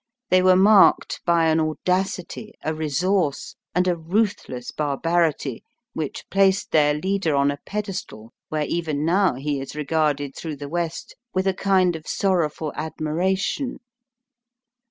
They were marked by an audacity, a resource, and a ruthless barbarity which placed their leader on a pedestal where even now he is regarded through the West with a kind of sorrowful admiration.